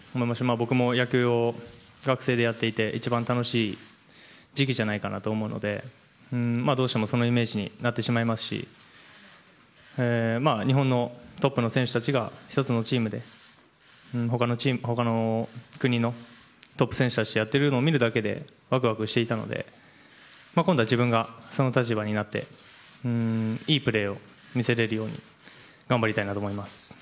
僕も野球を学生でやっていて一番楽しい時期じゃないかなと思うのでどうしても、そのイメージになってしまいますし日本のトップの選手たちが１つのチームで他の国のトップ選手たちとやっているのを見るだけでワクワクしていたので今度は自分がその立場になっていいプレーを見せれるように頑張りたいなと思います。